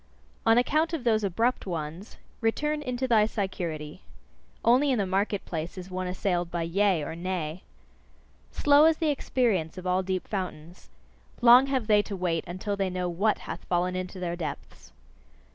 On account of those abrupt ones, return into thy security: only in the market place is one assailed by Yea? or Nay? Slow is the experience of all deep fountains: long have they to wait until they know WHAT hath fallen into their depths.